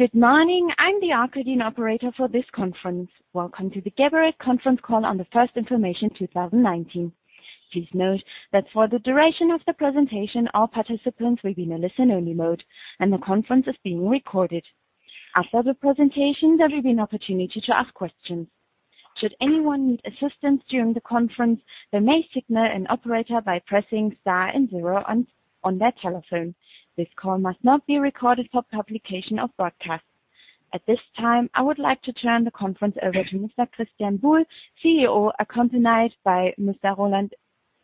Good morning. I'm the operator for this conference. Welcome to the Geberit conference call on the first information 2019. Please note that for the duration of the presentation, all participants will be in a listen-only mode, and the conference is being recorded. After the presentation, there will be an opportunity to ask questions. Should anyone need assistance during the conference, they may signal an operator by pressing Star and Zero on their telephone. This call must not be recorded for publication of broadcasts. At this time, I would like to turn the conference over to Mr Christian Buhl, CEO, accompanied by Mr Roland,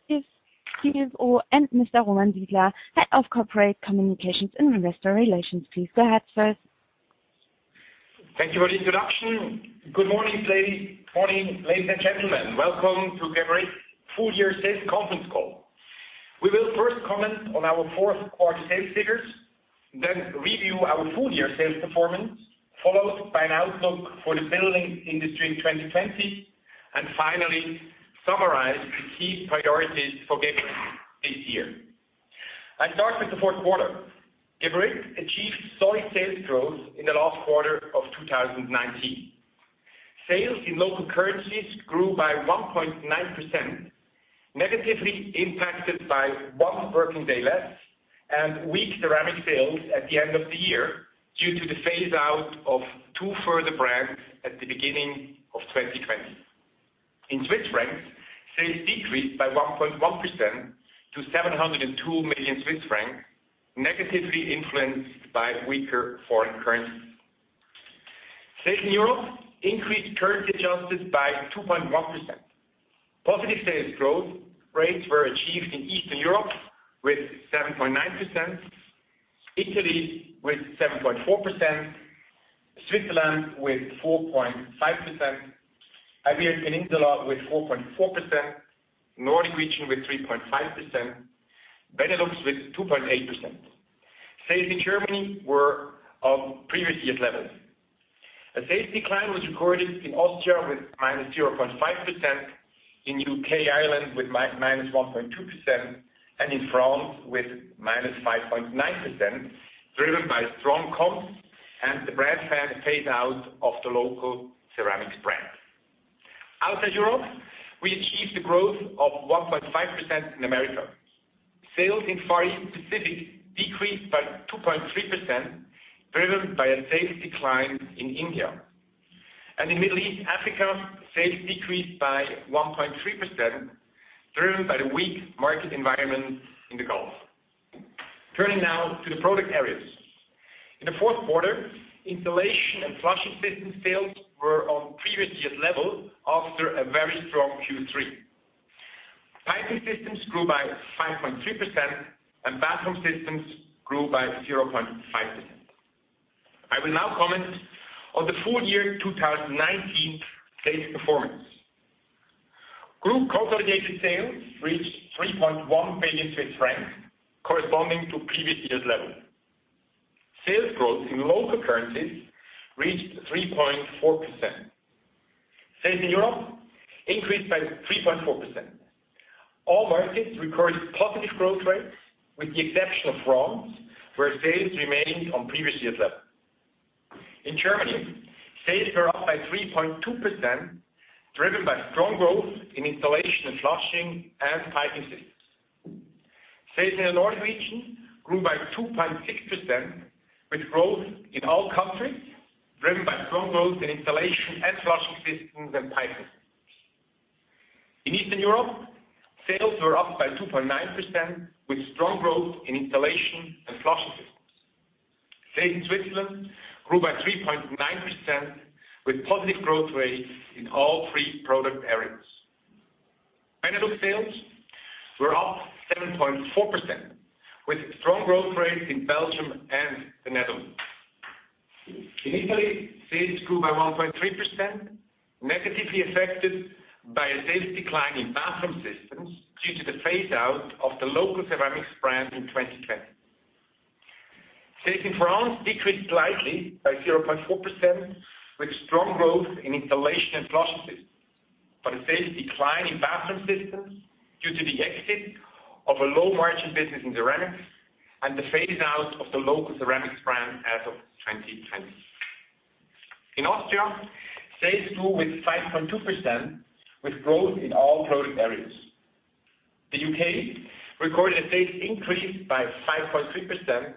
CFO, and Mr Roman Sidler, Head of Corporate Communications and Investor Relations. Please go ahead, sirs. Thank you for the introduction. Good morning, ladies and gentlemen. Welcome to Geberit full-year sales conference call. We will first comment on our fourth quarter sales figures, then review our full-year sales performance, followed by an outlook for the building industry in 2020, and finally summarize the key priorities for Geberit this year. I start with the fourth quarter. Geberit achieved solid sales growth in the last quarter of 2019. Sales in local currencies grew by 1.9%, negatively impacted by one working day less and weak ceramic sales at the end of the year, due to the phase out of two further brands at the beginning of 2020. In CHF, sales decreased by 1.1% to 702 million Swiss francs, negatively influenced by weaker foreign currencies. Sales in Europe increased currency adjusted by 2.1%. Positive sales growth rates were achieved in Eastern Europe with 7.9%, Italy with 7.4%, Switzerland with 4.5%, Iberian Peninsula with 4.4%, Nordic region with 3.5%, Benelux with 2.8%. Sales in Germany were of previous year levels. A sales decline was recorded in Austria with minus 0.5%, in U.K., Ireland with minus 1.2%, and in France with minus 5.9%, driven by strong comps and the brand phase-out of the local ceramics brand. Outside Europe, we achieved the growth of 1.5% in America. Sales in Far East Pacific decreased by 2.3%, driven by a sales decline in India. In Middle East Africa, sales decreased by 1.3%, driven by the weak market environment in the Gulf. Turning now to the product areas. In the fourth quarter, Installation and Flushing Systems sales were on previous year's level after a very strong Q3. Piping Systems grew by 5.3% and Bathroom Systems grew by 0.5%. I will now comment on the full-year 2019 sales performance. Group consolidated sales reached 3.1 billion Swiss francs, corresponding to previous year's level. Sales growth in local currencies reached 3.4%. Sales in Europe increased by 3.4%. All markets recorded positive growth rates, with the exception of France, where sales remained on previous year's level. In Germany, sales were up by 3.2%, driven by strong growth in Installation and Flushing Systems and Piping Systems. Sales in the North region grew by 2.6%, with growth in all countries, driven by strong growth in Installation and Flushing Systems and Piping Systems. In Eastern Europe, sales were up by 2.9%, with strong growth in Installation and Flushing Systems. Sales in Switzerland grew by 3.9%, with positive growth rates in all three product areas. Benelux sales were up 7.4%, with strong growth rates in Belgium and the Netherlands. In Italy, sales grew by 1.3%, negatively affected by a sales decline in Bathroom Systems due to the phase out of the local ceramics brand in 2020. Sales in France decreased slightly by 0.4%, with strong growth in Installation and Flushing Systems, but a sales decline in Bathroom Systems due to the exit of a low-margin business in ceramics and the phase out of the local ceramics brand as of 2020. In Austria, sales grew with 5.2%, with growth in all product areas. The U.K. recorded a sales increase by 5.3%,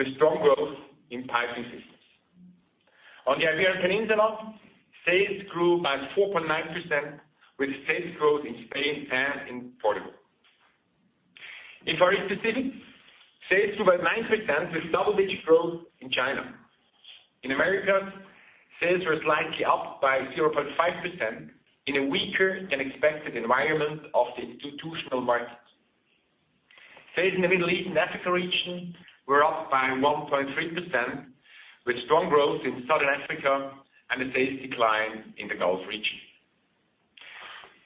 with strong growth in Piping Systems. On the Iberian Peninsula, sales grew by 4.9%, with sales growth in Spain and in Portugal. In Far East Pacific, sales grew by 9% with double-digit growth in China. In America, sales were slightly up by 0.5% in a weaker than expected environment of the institutional market. Sales in the Middle East and Africa region were up by 1.3%, with strong growth in Southern Africa and a sales decline in the Gulf region.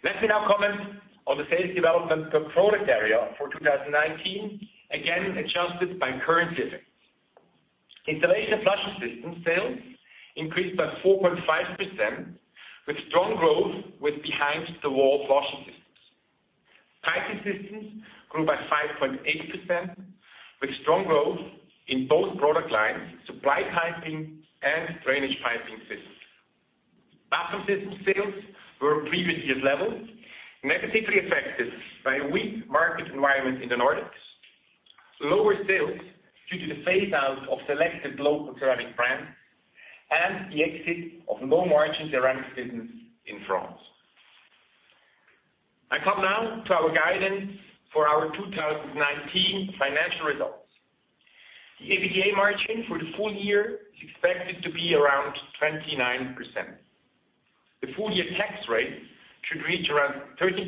Let me now comment on the sales development per product area for 2019, again, adjusted by currency effects. Installation Flushing System sales increased by 4.5%, with strong growth with behind the wall flushing systems. Piping Systems grew by 5.8%, with strong growth in both product lines, supply piping and drainage piping systems. Bathroom System sales were at previous year's level, negatively affected by a weak market environment in the Nordics, lower sales due to the phase-out of selected local ceramic brands, and the exit of low-margin ceramic business in France. I come now to our guidance for our 2019 financial results. The EBITDA margin for the full year is expected to be around 29%. The full-year tax rate should reach around 30%,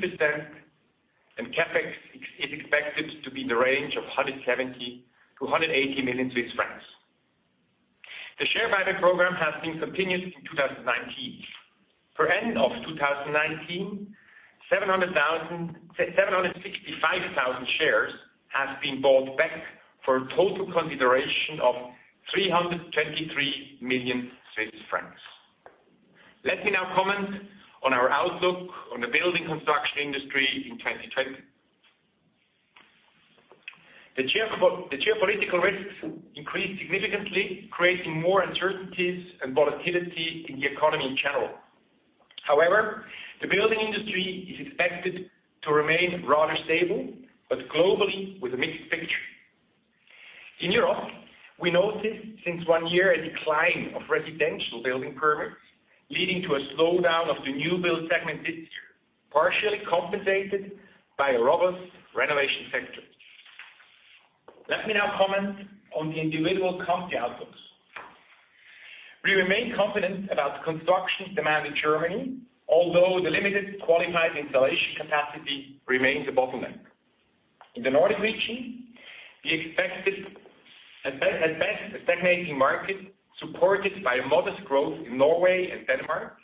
and CapEx is expected to be in the range of 170 million-180 million Swiss francs. The share buyback program has been continued in 2019. For end of 2019, 765,000 shares have been bought back for a total consideration of 323 million Swiss francs. Let me now comment on our outlook on the building construction industry in 2020. The geopolitical risks increased significantly, creating more uncertainties and volatility in the economy in general. The building industry is expected to remain rather stable, but globally with a mixed picture. In Europe, we noticed since one year a decline of residential building permits, leading to a slowdown of the new build segment this year, partially compensated by a robust renovation sector. Let me now comment on the individual country outlooks. We remain confident about the construction demand in Germany, although the limited qualified installation capacity remains a bottleneck. In the Nordic region, we expect, at best, a stagnating market supported by a modest growth in Norway and Denmark,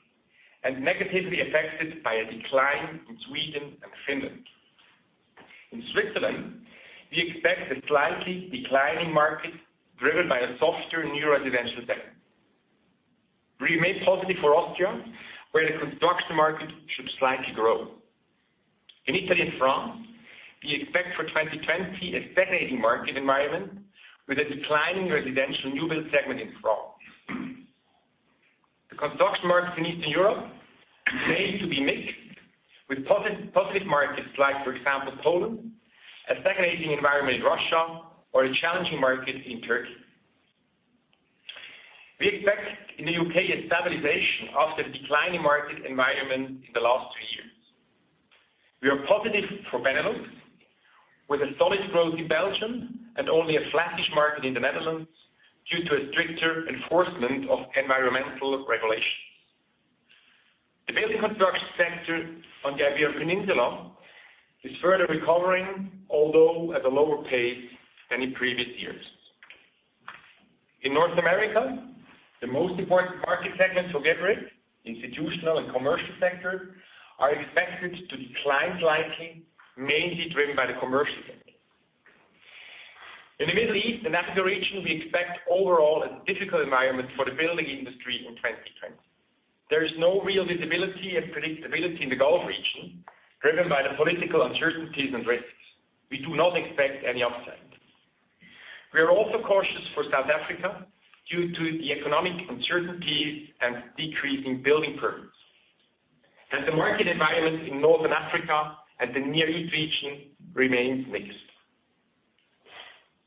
and negatively affected by a decline in Sweden and Finland. In Switzerland, we expect a slightly declining market, driven by a softer new residential sector. We remain positive for Austria, where the construction market should slightly grow. In Italy and France, we expect for 2020 a stagnating market environment with a declining residential new build segment in France. The construction markets in Eastern Europe continue to be mixed, with positive markets like, for example, Poland, a stagnating environment in Russia, or the challenging market in Turkey. We expect in the U.K. a stabilization after a declining market environment in the last two years. We are positive for Benelux, with a solid growth in Belgium and only a flattish market in the Netherlands due to a stricter enforcement of environmental regulations. The building construction sector on the Iberian Peninsula is further recovering, although at a lower pace than in previous years. In North America, the most important market segments for Geberit, institutional and commercial sector, are expected to decline slightly, mainly driven by the commercial sector. In the Middle East and Africa region, we expect overall a difficult environment for the building industry in 2020. There is no real visibility and predictability in the Gulf region, driven by the political uncertainties and risks. We do not expect any upside. We are also cautious for South Africa due to the economic uncertainties and decrease in building permits. The market environment in Northern Africa and the Near East region remains mixed.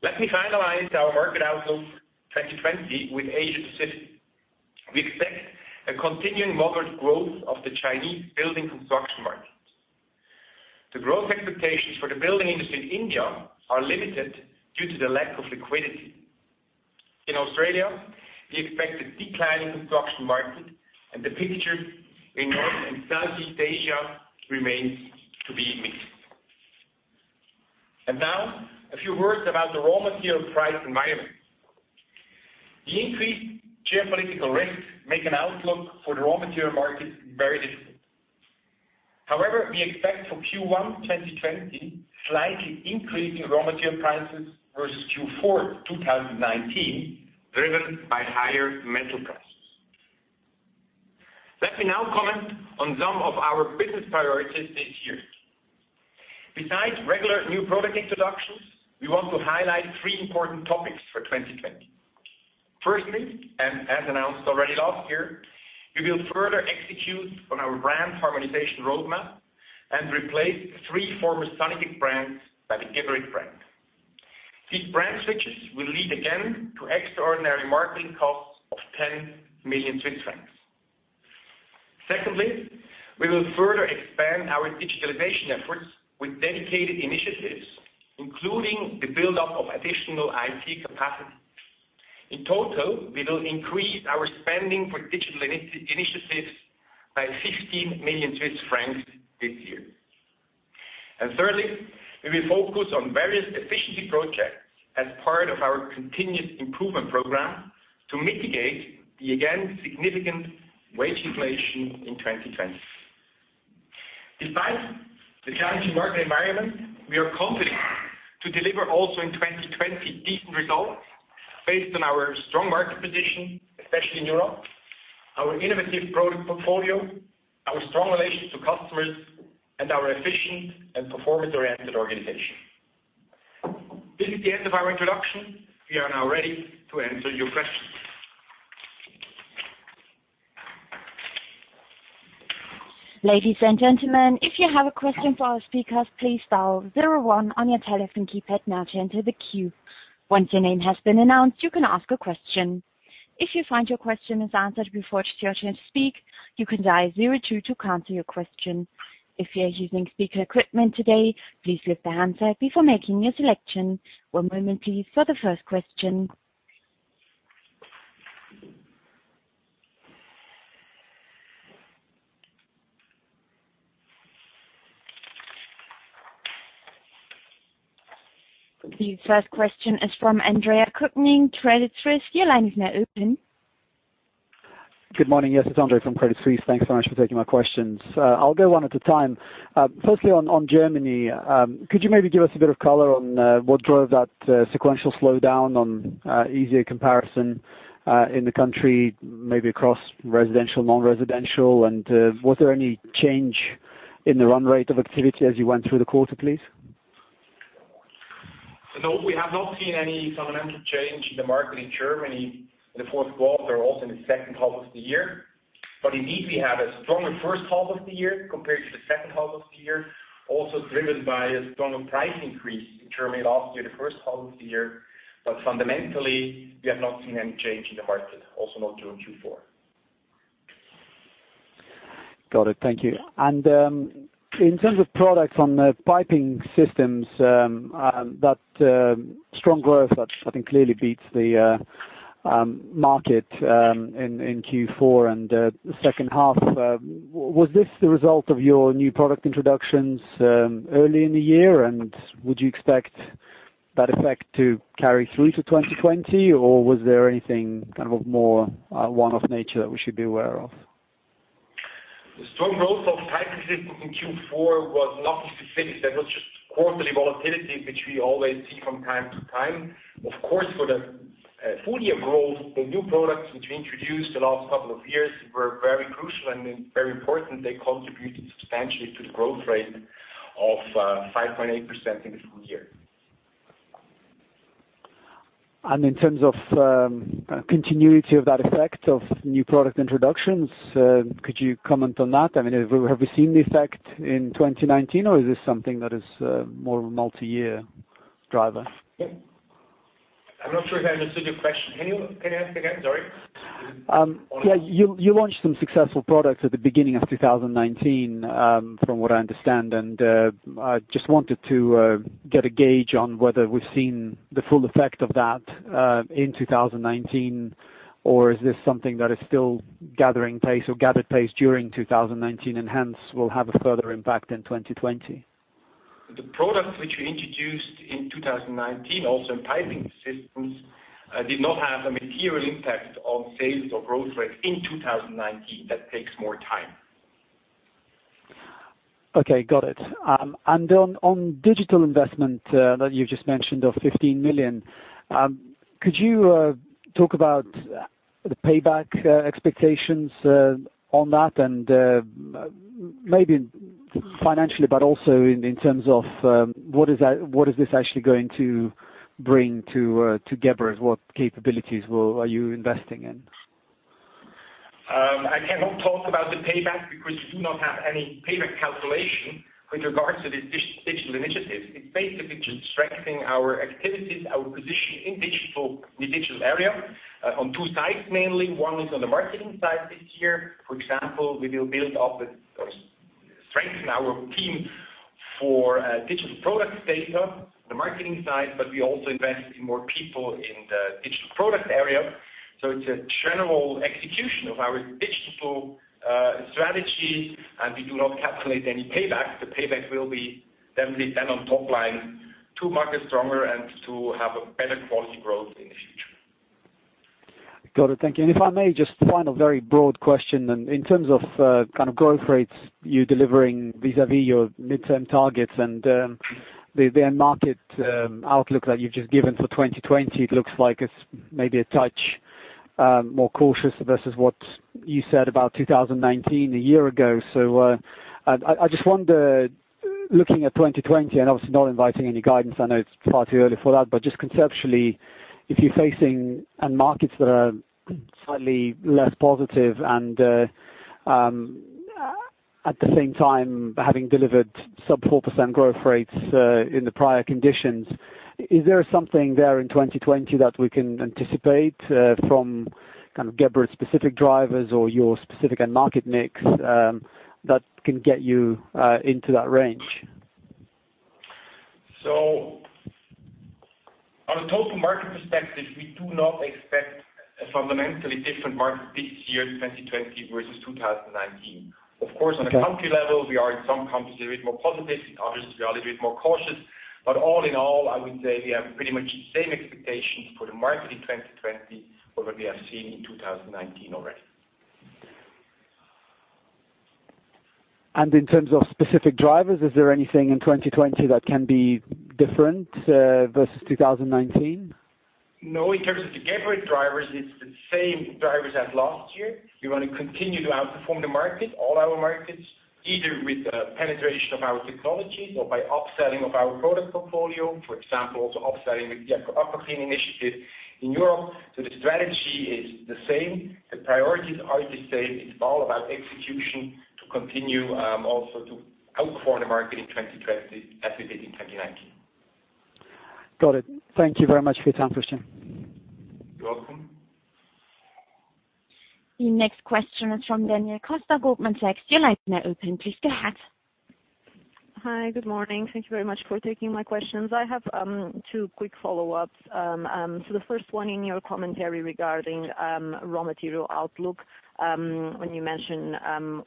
Let me finalize our market outlook 2020 with Asia Pacific. We expect a continuing moderate growth of the Chinese building construction market. The growth expectations for the building industry in India are limited due to the lack of liquidity. In Australia, we expect a declining construction market. The picture in North and Southeast Asia remains to be mixed. Now, a few words about the raw material price environment. The increased geopolitical risks make an outlook for the raw material market very difficult. However, we expect for Q1 2020 slightly increasing raw material prices versus Q4 2019, driven by higher metal prices. Let me now comment on some of our business priorities this year. Besides regular new product introductions, we want to highlight three important topics for 2020. Firstly, as announced already last year, we will further execute on our brand harmonization roadmap and replace three former Sanitec brands by the Geberit brand. These brand switches will lead again to extraordinary marketing costs of 10 million Swiss francs. Secondly, we will further expand our digitalization efforts with dedicated initiatives, including the buildup of additional IT capacity. In total, we will increase our spending for digital initiatives by 15 million Swiss francs this year. Thirdly, we will focus on various efficiency projects as part of our continued improvement program to mitigate the, again, significant wage inflation in 2020. Despite the challenging market environment, we are confident to deliver also in 2020 decent results based on our strong market position, especially in Europe. Our innovative product portfolio, our strong relations to customers, and our efficient and performance-oriented organization. This is the end of our introduction. We are now ready to answer your questions. Ladies and gentlemen, if you have a question for our speakers, please dial 01 on your telephone keypad now to enter the queue. Once your name has been announced, you can ask a question. If you find your question is answered before it's your turn to speak, you can dial 02 to cancel your question. If you're using speaker equipment today, please lift the handset before making your selection. One moment please for the first question. The first question is from Andre Kukhnin, Credit Suisse. Your line is now open. Good morning. Yes, it's Andre from Credit Suisse. Thanks so much for taking my questions. I'll go one at a time. Firstly on Germany, could you maybe give us a bit of color on what drove that sequential slowdown on easier comparison, in the country maybe across residential, non-residential, and, was there any change in the run rate of activity as you went through the quarter, please? No. We have not seen any fundamental change in the market in Germany in the fourth quarter, also in the second half of the year. Indeed, we have a stronger first half of the year compared to the second half of the year, also driven by a stronger price increase in Germany last year, the first half of the year. Fundamentally, we have not seen any change in the market, also not during Q4. Got it. Thank you. In terms of products on the Piping Systems, that strong growth that I think clearly beats the market, in Q4 and the second half. Was this the result of your new product introductions early in the year? Would you expect that effect to carry through to 2020, or was there anything more one-off nature that we should be aware of? The strong growth of Piping Systems in Q4 was not specific. That was just quarterly volatility, which we always see from time to time. Of course, for the full year growth, the new products which we introduced the last couple of years were very crucial and very important. They contributed substantially to the growth rate of 5.8% in the full year. In terms of continuity of that effect of new product introductions, could you comment on that? I mean, have we seen the effect in 2019 or is this something that is more of a multi-year driver? I'm not sure if I understood your question. Can you ask again? Sorry. Yeah, you launched some successful products at the beginning of 2019, from what I understand. I just wanted to get a gauge on whether we've seen the full effect of that, in 2019, or is this something that is still gathering pace or gathered pace during 2019 and hence will have a further impact in 2020? The products which we introduced in 2019, also in Piping Systems, did not have a material impact on sales or growth rates in 2019. That takes more time. Okay. Got it. On digital investment, that you just mentioned of 15 million, could you talk about the payback expectations on that and maybe financially, but also in terms of what is this actually going to bring to Geberit? What capabilities are you investing in? I cannot talk about the payback because we do not have any payback calculation with regards to the digital initiative. It's basically just strengthening our activities, our position in digital area, on two sides mainly. One is on the marketing side this year. For example, we will strengthen our team for digital product data, the marketing side, but we also invest in more people in the digital product area. It's a general execution of our digital strategy, and we do not calculate any payback. The payback will be definitely then on top line to market stronger and to have a better quality growth in the future. Got it. Thank you. If I may, just final, very broad question. In terms of growth rates you delivering vis-à-vis your midterm targets and the end market outlook that you've just given for 2020, it looks like it's maybe a touch more cautious versus what you said about 2019 a year ago. I just wonder, looking at 2020, and obviously not inviting any guidance, I know it's far too early for that. Just conceptually, if you're facing end markets that are slightly less positive and at the same time having delivered sub 4% growth rates, in the prior conditions, is there something there in 2020 that we can anticipate from Geberit specific drivers or your specific end market mix that can get you into that range? On a total market perspective, we do not expect a fundamentally different market this year, 2020 versus 2019. Okay. Of course, on a country level, we are in some countries a bit more positive. In others, we are a little bit more cautious. All in all, I would say we have pretty much the same expectations for the market in 2020 for what we have seen in 2019 already. In terms of specific drivers, is there anything in 2020 that can be different versus 2019? No. In terms of the Geberit drivers, it's the same drivers as last year. We want to continue to outperform the market, all our markets, either with the penetration of our technologies or by upselling of our product portfolio. For example, also upselling with the AquaClean initiative in Europe. The strategy is the same, the priorities are the same. It's all about execution to continue also to outperform the market in 2020 as we did in 2019. Got it. Thank you very much for your time, Christian. You're welcome. The next question is from Daniela Costa, Goldman Sachs. Your line is now open. Please go ahead. Hi. Good morning. Thank you very much for taking my questions. I have two quick follow-ups. The first one in your commentary regarding raw material outlook, when you mention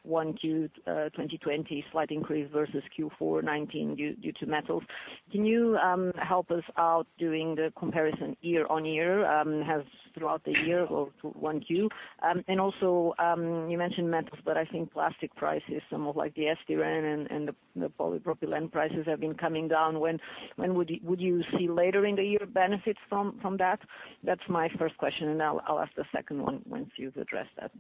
1Q 2020 slight increase versus Q4 2019 due to metals. Can you help us out doing the comparison year on year, throughout the year or to 1Q? Also, you mentioned metals, but I think plastic prices, some of like the styrene and the polypropylene prices have been coming down. Would you see later in the year benefits from that? That's my first question, and I'll ask the second one once you've addressed that.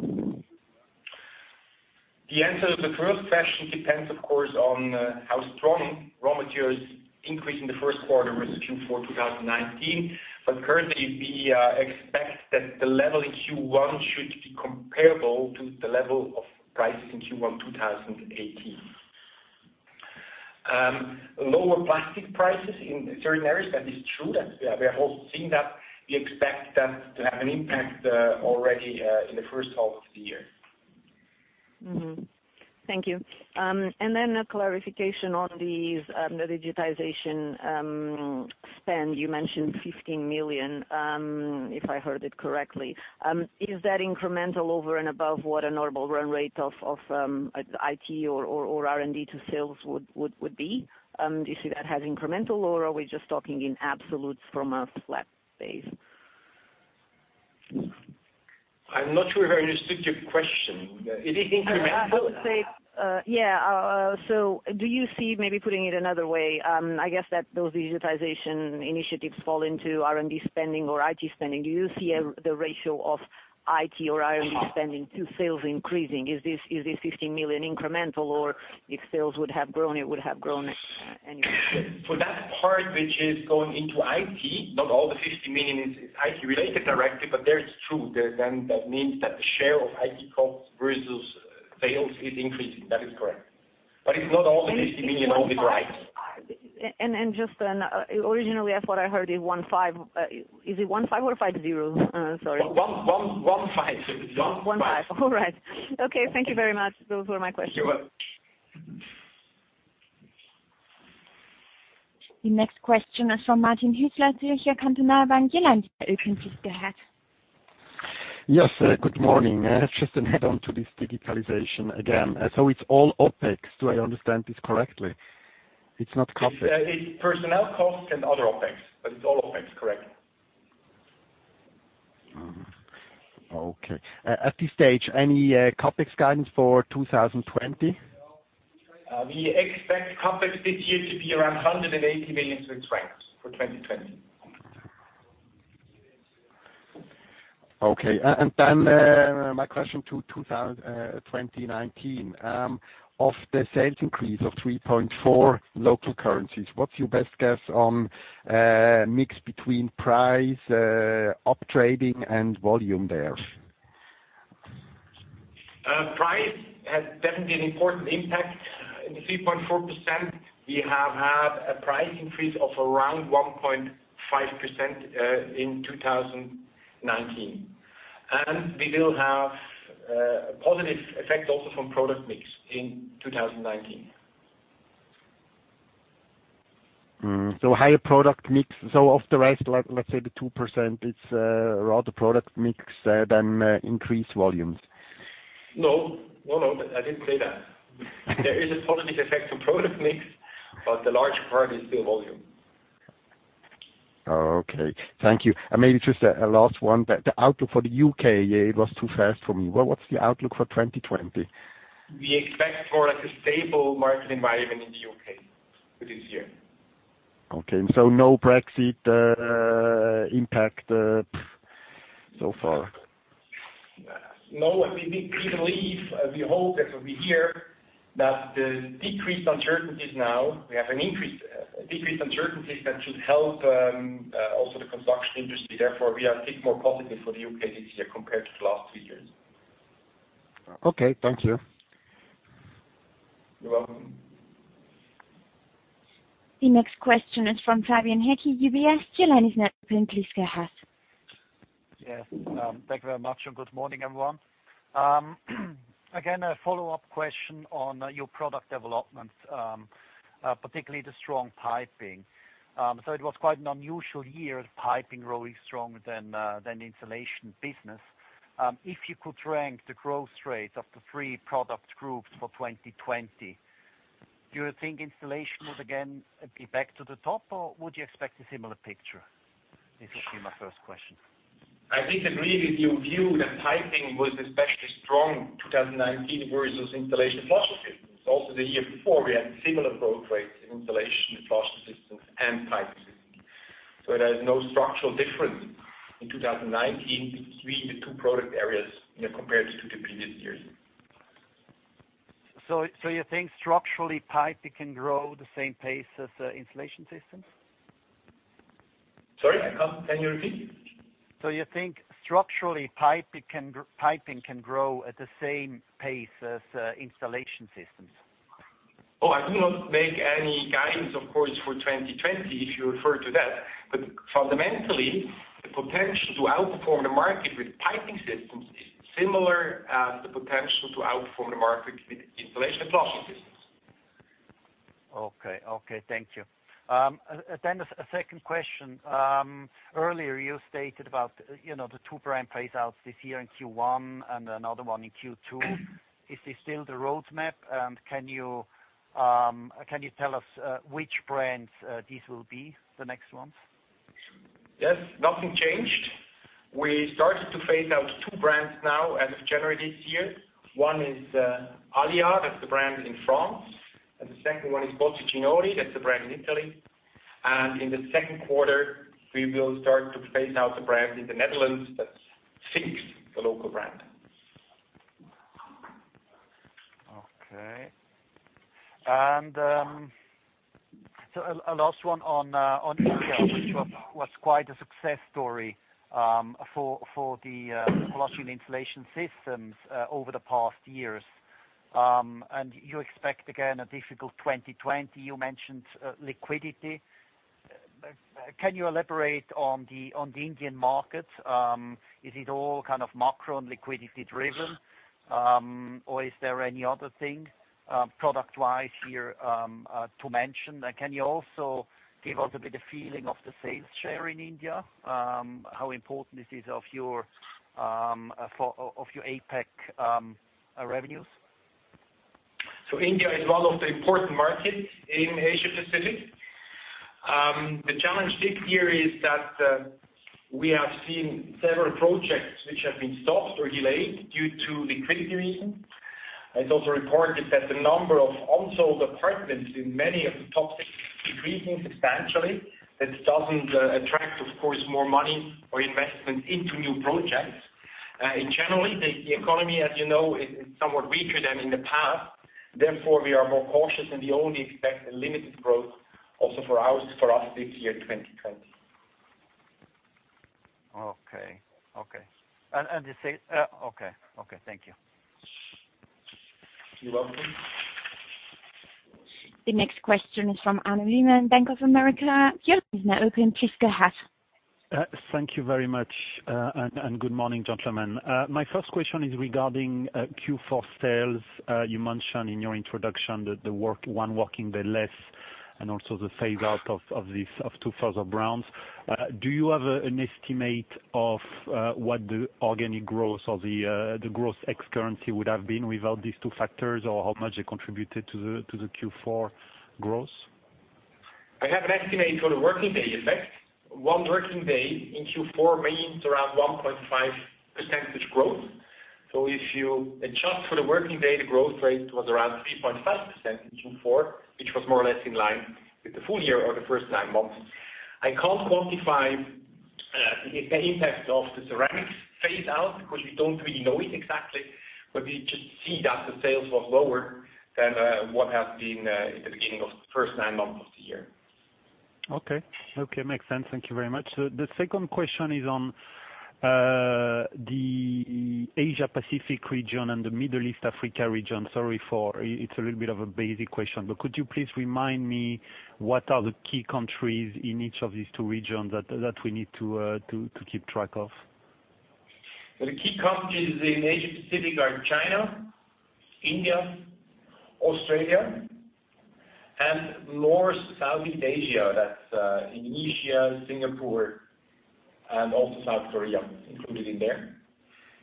The answer to the first question depends, of course, on how strong raw materials increase in the first quarter versus Q4 2019. Currently, we expect that the level in Q1 should be comparable to the level of prices in Q1 2018. Lower plastic prices in certain areas, that is true. We are all seeing that. We expect that to have an impact already in the first half of the year. Mm-hmm. Thank you. A clarification on the digitization spend. You mentioned 15 million, if I heard it correctly. Is that incremental over and above what a normal run rate of IT or R&D to sales would be? Do you see that as incremental, or are we just talking in absolutes from a flat base? I'm not sure I understood your question. It is incremental. Yeah. Do you see, maybe putting it another way, I guess that those digitization initiatives fall into R&D spending or IT spending? Do you see the ratio of IT or R&D spending to sales increasing? Is this 15 million incremental, or if sales would have grown, it would have grown anyway? For that part which is going into IT, not all the 15 million is IT related directly, but there it's true. That means that the share of IT costs versus sales is increasing. That is correct. It's not all the CHF 15 million only for IT. Just then, originally what I heard is 15. Is it 15 or 50? Sorry. One five. One five. All right. Okay. Thank you very much. Those were my questions. You're welcome. The next question is from Martin Hüsler, Zürcher Kantonalbank. Your line is now open. Please go ahead. Yes. Good morning. Just an add-on to this digitalization again. It's all OpEx, do I understand this correctly? It's not CapEx. It's personnel cost and other OpEx, but it's all OpEx, correct. Okay. At this stage, any CapEx guidance for 2020? We expect CapEx this year to be around 180 million for 2020. Okay. My question to 2019. Of the sales increase of 3.4% local currencies, what's your best guess on mix between price up trading and volume there? Price has definitely an important impact in the 3.4%. We have had a price increase of around 1.5% in 2019. We will have a positive effect also from product mix in 2019. Higher product mix. Of the rest, let's say the 2%, it's rather product mix than increased volumes. No. I didn't say that. There is a positive effect to product mix, but the large part is still volume. Okay. Thank you. Maybe just a last one. The outlook for the U.K., it was too fast for me. What's the outlook for 2020? We expect more or less a stable market environment in the U.K. for this year. Okay. No Brexit impact so far? No. We believe, we hope as we hear, that we have a decreased uncertainties that should help also the construction industry. We are a bit more positive for the U.K. this year compared to the last few years. Okay. Thank you. You're welcome. The next question is from Fabian Hächler, UBS. Your line is now open. Please go ahead. Yes. Thank you very much. Good morning, everyone. Again, a follow-up question on your product development, particularly the strong piping. It was quite an unusual year, the piping growing stronger than insulation business. If you could rank the growth rate of the three product groups for 2020. Do you think installation would again be back to the top, or would you expect a similar picture? This will be my first question. I think that really if you view that piping was especially strong in 2019 versus installation flushing systems. The year before, we had similar growth rates in installation with flushing systems and piping systems. There is no structural difference in 2019 between the two product areas compared to the previous years. You think structurally Piping can grow the same pace as the Installation Systems? Sorry, can you repeat? You think structurally, piping can grow at the same pace as installation systems? I do not make any guidance, of course, for 2020 if you refer to that. Fundamentally, the potential to outperform the market with piping systems is similar as the potential to outperform the market with Installation Flushing Systems. Okay. Thank you. A second question. Earlier you stated about the two brand phase-outs this year in Q1 and another one in Q2. Is this still the roadmap, and can you tell us which brands these will be, the next ones? Nothing changed. We started to phase out two brands now as of January this year. One is Allia, that's the brand in France. The second one is Pozzi Ginori, that's a brand in Italy. In the second quarter, we will start to phase out the brand in the Netherlands. That's Sphinx, the local brand. Okay. A last one on India, which was quite a success story for the flushing installation systems over the past years. You expect again, a difficult 2020. You mentioned liquidity. Can you elaborate on the Indian market? Is it all kind of macro and liquidity driven? Is there any other thing product-wise here to mention? Can you also give us a bit of feeling of the sales share in India, how important is this of your APAC revenues? India is one of the important markets in Asia Pacific. The challenge this year is that we have seen several projects which have been stopped or delayed due to liquidity reasons. It's also reported that the number of unsold apartments in many of the top cities is decreasing substantially. That doesn't attract, of course, more money or investment into new projects. In general, the economy, as you know, is somewhat weaker than in the past. We are more cautious, and we only expect a limited growth also for us this year, 2020. Okay. Thank you. You're welcome. The next question is from Arnaud Lehmann, Bank of America. Your line is now open. Please go ahead. Thank you very much, and good morning, gentlemen. My first question is regarding Q4 sales. You mentioned in your introduction the one working day less, and also the phase out of two further brands. Do you have an estimate of what the organic growth or the growth ex-currency would have been without these two factors, or how much they contributed to the Q4 growth? I have an estimate for the working day effect. One working day in Q4 means around 1.5% growth. If you adjust for the working day, the growth rate was around 3.5% in Q4, which was more or less in line with the full year or the first nine months. I can't quantify the impact of the ceramics phase out because we don't really know it exactly. We just see that the sales was lower than what has been in the beginning of the first nine months of the year. Okay. Makes sense. Thank you very much. The second question is on the Asia Pacific region and the Middle East, Africa region. Sorry, it's a little bit of a basic question, but could you please remind me what are the key countries in each of these two regions that we need to keep track of? The key countries in Asia Pacific are China, India, Australia, and more Southeast Asia. That's Indonesia, Singapore, and also South Korea included in there.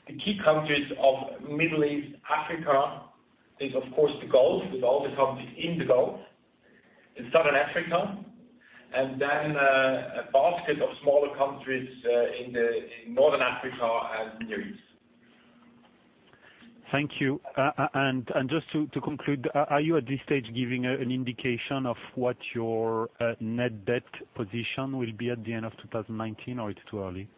The key countries of Middle East, Africa is, of course, the Gulf, with all the countries in the Gulf and Southern Africa, and then a basket of smaller countries in Northern Africa and the Middle East. Thank you. Just to conclude, are you at this stage giving an indication of what your net debt position will be at the end of 2019, or it's too early?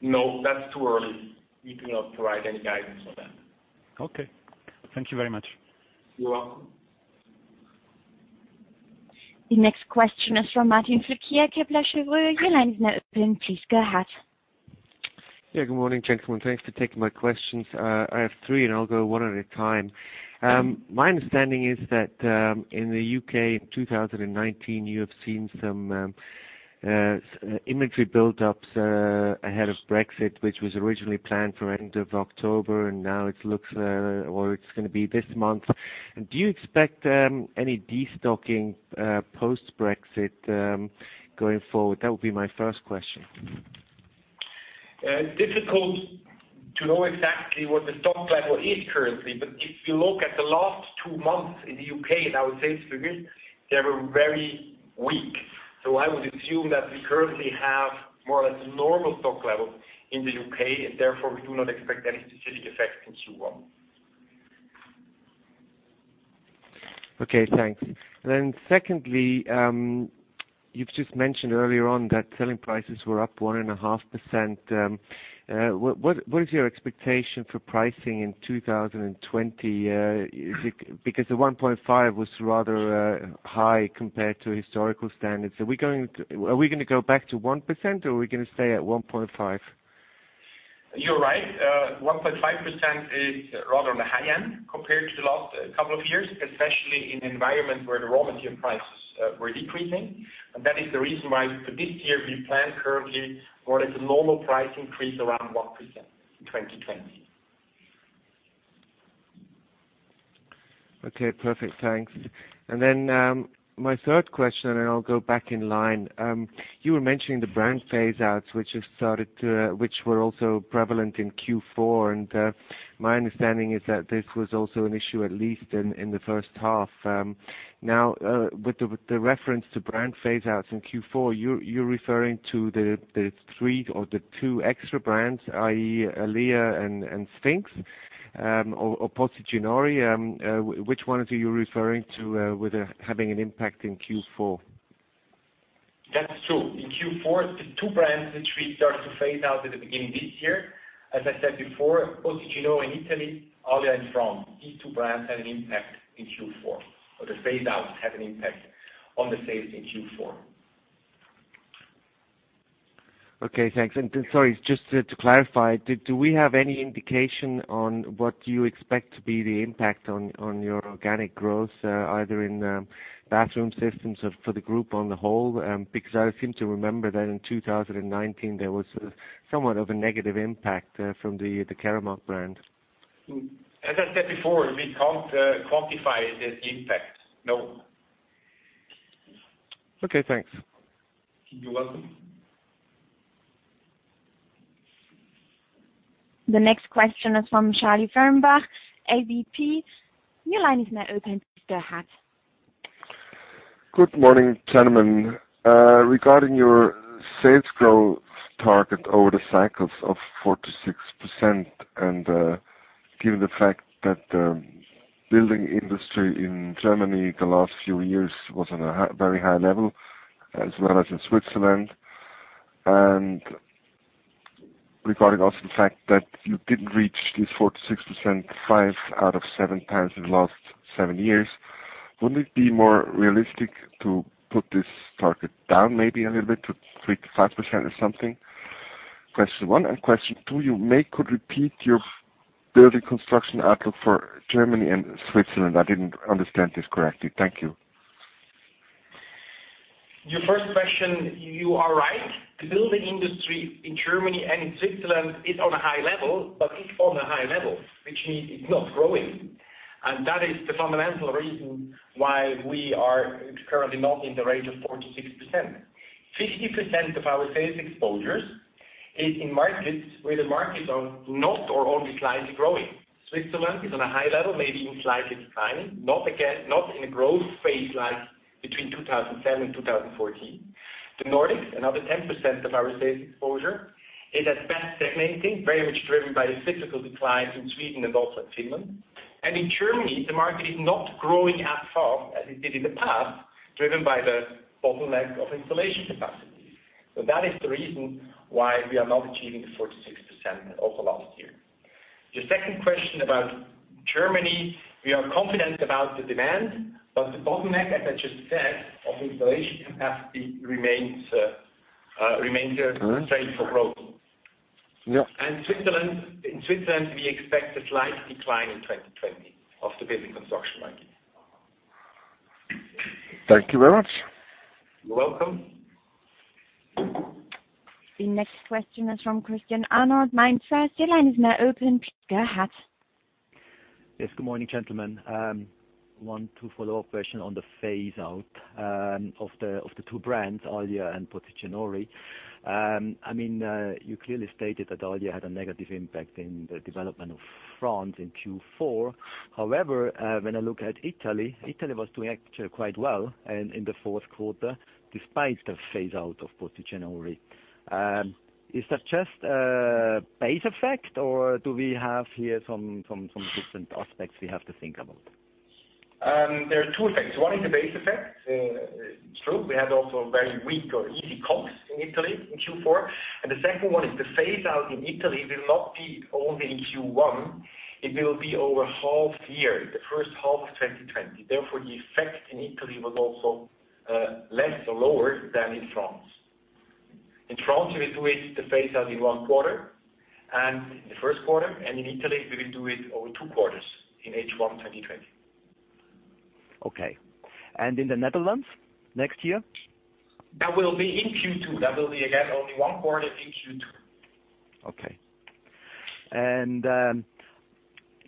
No, that's too early. We do not provide any guidance on that. Okay. Thank you very much. You're welcome. The next question is from Martin Flückiger, Kepler Cheuvreux. Your line is now open. Please go ahead. Yeah, good morning, gentlemen. Thanks for taking my questions. I have three, and I'll go one at a time. My understanding is that in the U.K. in 2019, you have seen some inventory buildups ahead of Brexit, which was originally planned for end of October, and now it looks or it's going to be this month. Do you expect any destocking post-Brexit going forward? That would be my first question. It's difficult to know exactly what the stock level is currently, but if you look at the last two months in the U.K. and our sales figures, they were very weak. I would assume that we currently have more or less normal stock levels in the U.K., and therefore we do not expect any specific effects in Q1. Okay, thanks. Secondly, you've just mentioned earlier on that selling prices were up 1.5%. What is your expectation for pricing in 2020? The 1.5% was rather high compared to historical standards. Are we going to go back to 1% or are we going to stay at 1.5%? You're right. 1.5% is rather on the high end compared to the last couple of years, especially in an environment where the raw material prices were decreasing. That is the reason why for this year, we plan currently more or less a normal price increase around 1% in 2020. Okay, perfect. Thanks. My third question, and I'll go back in line. You were mentioning the brand phase-outs which were also prevalent in Q4, and my understanding is that this was also an issue at least in the first half. With the reference to brand phase-outs in Q4, you're referring to the three or the two extra brands, i.e. Allia and Sphinx, or Pozzi Ginori. Which one are you referring to with having an impact in Q4? That's true. In Q4, the two brands which we started to phase out at the beginning this year, as I said before, Pozzi Ginori in Italy, Allia in France. These two brands had an impact in Q4, or the phase outs had an impact on the sales in Q4. Okay, thanks. Sorry, just to clarify, do we have any indication on what you expect to be the impact on your organic growth, either in Bathroom Systems or for the group on the whole? I seem to remember that in 2019, there was somewhat of a negative impact from the Keramag brand. As I said before, we can't quantify the impact, no. Okay, thanks. You're welcome. The next question is from Charlie Firnbach, ADP. Your line is now open. Please go ahead. Good morning, gentlemen. Regarding your sales growth target over the cycles of 4%-6% and given the fact that the building industry in Germany the last few years was on a very high level as well as in Switzerland, and regarding also the fact that you didn't reach this 4%-6% five out of seven times in the last seven years, wouldn't it be more realistic to put this target down maybe a little bit to 3%-5% or something? Question one and question two, you maybe could repeat your building construction outlook for Germany and Switzerland. I didn't understand this correctly. Thank you. Your first question, you are right. The building industry in Germany and in Switzerland is on a high level, but is on a high level, which means it's not growing. That is the fundamental reason why we are currently not in the range of 4%-6%. 50% of our sales exposures is in markets where the markets are not or only slightly growing. Switzerland is on a high level, maybe even slightly declining, not in a growth phase like between 2007 and 2014. The Nordics, another 10% of our sales exposure, is at best stagnating, very much driven by the physical declines in Sweden and also in Finland. In Germany, the market is not growing as fast as it did in the past, driven by the bottleneck of installation capacity. That is the reason why we are not achieving the 4%-6% over last year. Your second question about Germany, we are confident about the demand, but the bottleneck, as I just said, of installation capacity remains a constraint for growth. Yeah. In Switzerland, we expect a slight decline in 2020 of the building construction market. Thank you very much. You're welcome. The next question is from Christian Arnold, MainFirst. Your line is now open. Please go ahead. Yes. Good morning, gentlemen. One, two follow-up question on the phase out of the two brands, Allia and Pozzi Ginori. You clearly stated that Allia had a negative impact in the development of France in Q4. When I look at Italy was doing actually quite well and in the fourth quarter, despite the phase out of Pozzi Ginori. Is that just a base effect or do we have here some different aspects we have to think about? There are two effects. One is the base effect. It's true. We had also a very weak or easy comps in Italy in Q4. The second one is the phase out in Italy will not be only in Q1, it will be over half year, the first half of 2020. Therefore, the effect in Italy was also less or lower than in France. In France, we will do it, the phase out in one quarter, and in the first quarter, and in Italy, we will do it over two quarters in H1 2020. Okay. In the Netherlands next year? That will be in Q2. That will be again, only one quarter in Q2. Okay.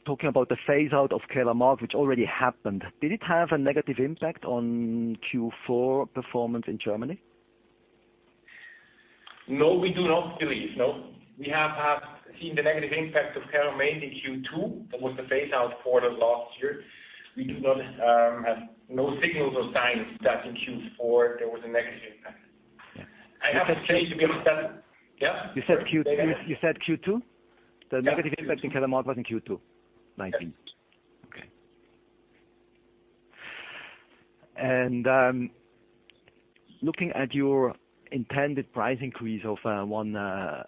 Talking about the phase out of Keramag, which already happened, did it have a negative impact on Q4 performance in Germany? No, we do not believe. No. We have seen the negative impact of Keramag in Q2. That was the phase out quarter last year. We have no signals or signs that in Q4 there was a negative impact. Yeah. I have to say to be honest that Yeah? You said Q2? Yeah. The negative impact in Keramag was in Q2 2019. Yes. Okay. Looking at your intended price increase of 1%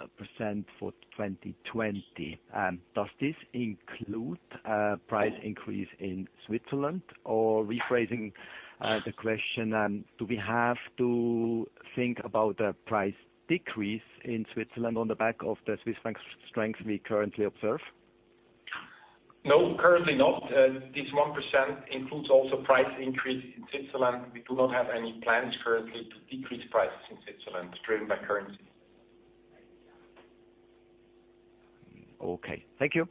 for 2020, does this include a price increase in Switzerland? Rephrasing the question, do we have to think about a price decrease in Switzerland on the back of the Swiss bank strength we currently observe? No, currently not. This 1% includes also price increase in Switzerland. We do not have any plans currently to decrease prices in Switzerland driven by currency. Okay. Thank you.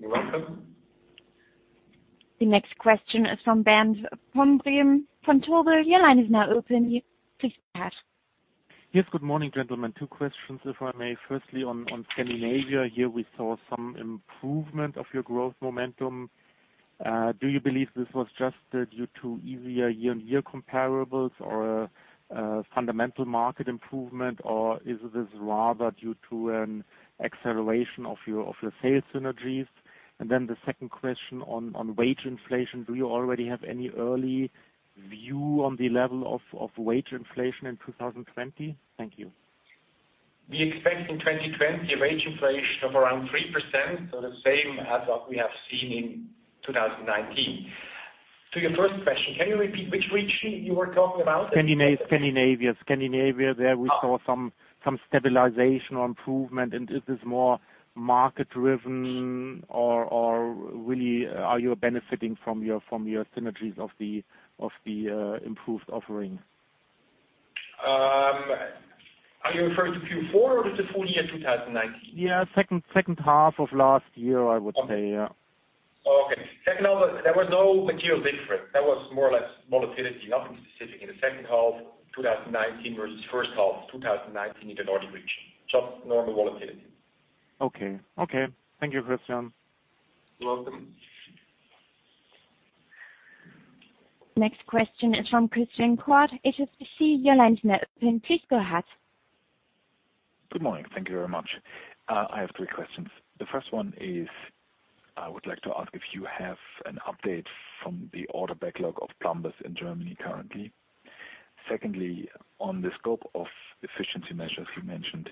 You're welcome. The next question is from Bernd Pomrenke from Vontobel. Your line is now open. Please go ahead. Yes, good morning, gentlemen. Two questions, if I may. Firstly, on Scandinavia. Here we saw some improvement of your growth momentum. Do you believe this was just due to easier year-on-year comparables or a fundamental market improvement, or is this rather due to an acceleration of your sales synergies? The second question on wage inflation, do you already have any early view on the level of wage inflation in 2020? Thank you. We expect in 2020 a wage inflation of around 3%, so the same as what we have seen in 2019. To your first question, can you repeat which region you were talking about? Scandinavia. There we saw some stabilization or improvement, and is this more market driven, or really are you benefiting from your synergies of the improved offering? Are you referring to Q4 or the full year 2019? Yeah, second half of last year, I would say, yeah. Okay. Second half, there was no material difference. That was more or less volatility, nothing specific in the second half of 2019 versus first half of 2019 in the Nordic region. Just normal volatility. Okay. Thank you, Christian. You're welcome. Next question is from Christian Quaadt at HSBC. Your line is now open. Please go ahead. Good morning. Thank you very much. I have three questions. The first one is I would like to ask if you have an update from the order backlog of plumbers in Germany currently. Secondly, on the scope of efficiency measures you mentioned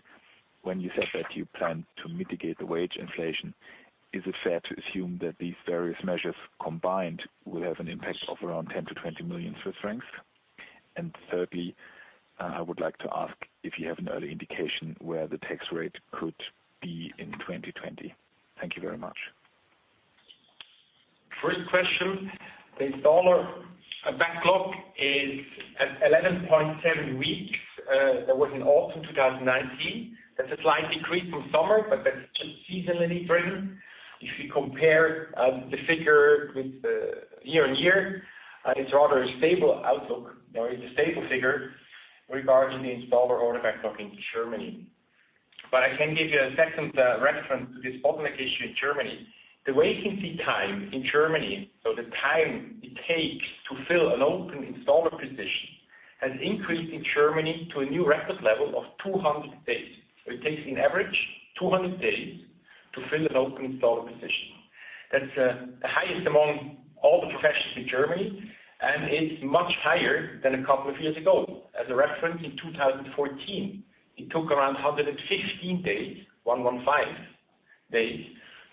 when you said that you plan to mitigate the wage inflation, is it fair to assume that these various measures combined will have an impact of around 10 million-20 million Swiss francs? Thirdly, I would like to ask if you have an early indication where the tax rate could be in 2020. Thank you very much. First question. The installer backlog is at 11.7 weeks. That was in autumn 2019. That's a slight decrease from summer, that's just seasonally driven. If you compare the figure with year-on-year, it's rather a stable outlook, or it's a stable figure regarding the installer order backlog in Germany. I can give you a second reference to this bottleneck issue in Germany. The vacancy time in Germany, so the time it takes to fill an open installer position, has increased in Germany to a new record level of 200 days. It takes, on average, 200 days to fill an open installer position. That's the highest among all the professions in Germany, and it's much higher than a couple of years ago. As a reference, in 2014, it took around 115 days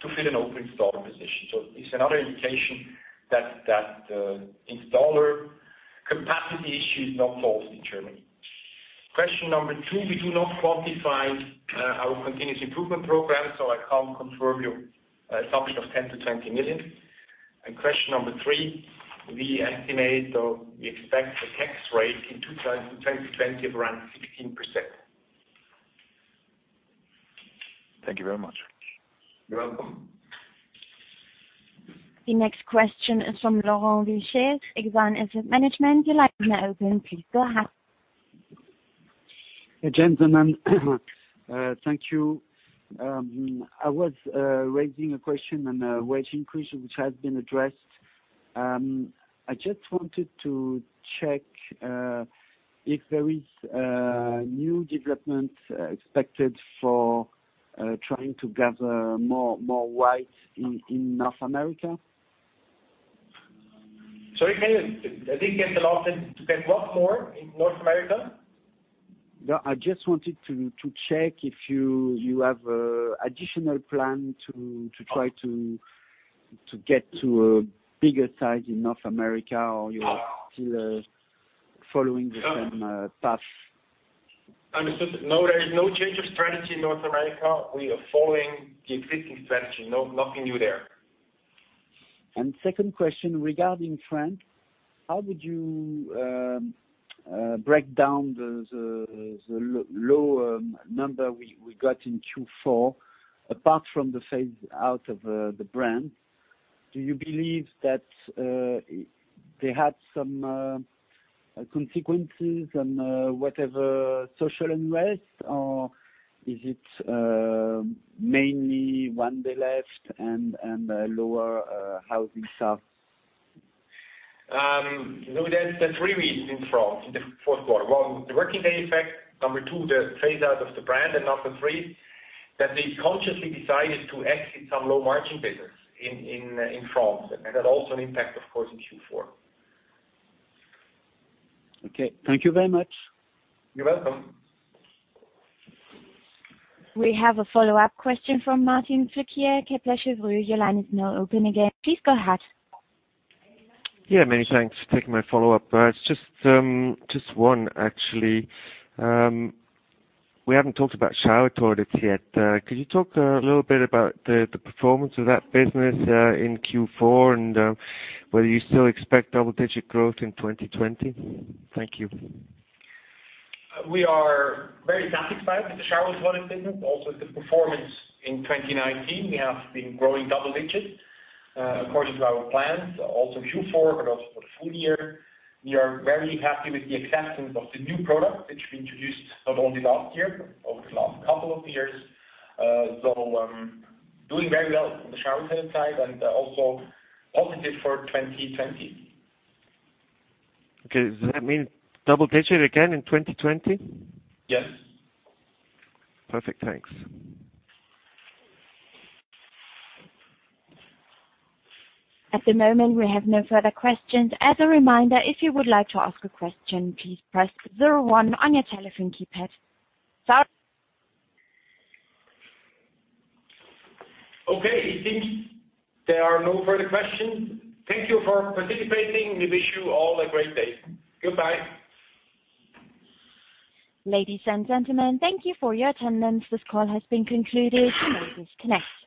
to fill an open installer position. It's another indication that the installer capacity issue is not false in Germany. Question number 2, we do not quantify our continuous improvement program, I can't confirm your assumption of 10 million-20 million. Question number 3, we estimate or we expect the tax rate in 2020 of around 16%. Thank you very much. You're welcome. The next question is from Laurent Vichard, Exane BNP Paribas. Your line is now open. Please go ahead. Gentlemen, thank you. I was raising a question on wage increase, which has been addressed. I just wanted to check if there is a new development expected for trying to gather more wide in North America. Sorry, came in. I didn't get the last, to get what more in North America? No, I just wanted to check if you have additional plan to try to get to a bigger size in North America or you are still following the same path? Understood. No, there is no change of strategy in North America. We are following the existing strategy. Nothing new there. Second question regarding France, how would you break down the low number we got in Q4, apart from the phase out of the brand? Do you believe that they had some consequences and whatever social unrest, or is it mainly one day left and lower housing stuff? There's three reasons in France in the fourth quarter. One, the working day effect, number two, the phase out of the brand, and number three, that we consciously decided to exit some low margin business in France, and that had also an impact, of course, in Q4. Okay. Thank you very much. You're welcome. We have a follow-up question from Martin Flückiger, Kepler Cheuvreux. Your line is now open again. Please go ahead. Yeah, many thanks for taking my follow-up. It is just one, actually. We haven't talked about shower toilets yet. Could you talk a little bit about the performance of that business in Q4 and whether you still expect double-digit growth in 2020? Thank you. We are very satisfied with the shower toilet business, also the performance in 2019. We have been growing double digits according to our plans, also Q4, but also for the full year. We are very happy with the acceptance of the new product, which we introduced not only last year, over the last couple of years. We are doing very well on the shower toilet side and also positive for 2020. Okay. Does that mean double digit again in 2020? Yes. Perfect. Thanks. At the moment, we have no further questions. As a reminder, if you would like to ask a question, please press 01 on your telephone keypad. Okay, it seems there are no further questions. Thank you for participating. We wish you all a great day. Goodbye. Ladies and gentlemen, thank you for your attendance. This call has been concluded. You may disconnect.